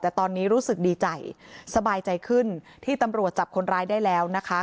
แต่ตอนนี้รู้สึกดีใจสบายใจขึ้นที่ตำรวจจับคนร้ายได้แล้วนะคะ